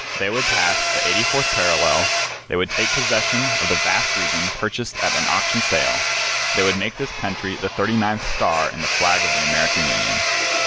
They would pass the 84th parallel, they would take possession of the vast region purchased at an auction sale, they would make this country the thirty ninth star in the flag of the American Union.